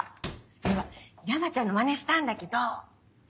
今山ちゃんのまねしたんだけど似てた？